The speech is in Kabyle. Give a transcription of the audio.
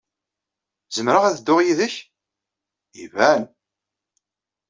Zemreɣ ad dduɣ yid-k? Iban!